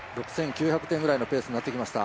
６９００点ぐらいのペースになってきました。